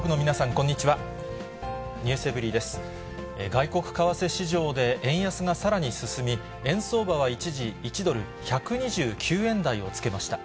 外国為替市場で円安がさらに進み、円相場は一時、１ドル１２９円台をつけました。